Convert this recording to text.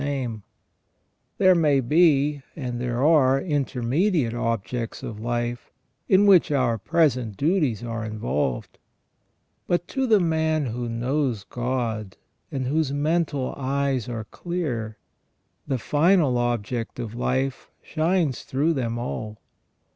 There may be, and there are, intermediate objects of life, in which our present duties are involved ; but to the man who knows God, and whose mental eyes are clear, the final object of life shines through them all.